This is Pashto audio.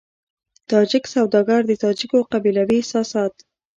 تاجک سوداګر د تاجکو قبيلوي احساسات.